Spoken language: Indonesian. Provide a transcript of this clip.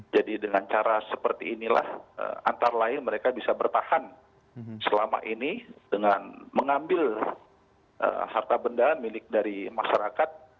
jadi dengan cara seperti inilah antara lain mereka bisa bertahan selama ini dengan mengambil harta benda milik dari masyarakat